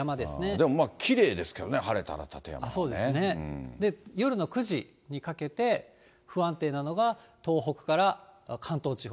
でもまあ、きれいですからね、晴れたら、そうですね、夜の９時にかけて不安定なのが東北から関東地方。